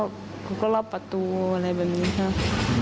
เขาก็รอบประตูอะไรแบบนี้ครับ